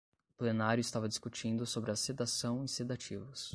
O plenário estava discutindo sobre a sedação e sedativos